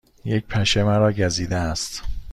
یک پشه مرا گزیده است.